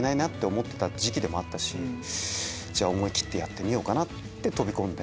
じゃあ思い切ってやってみようかなって飛び込んで。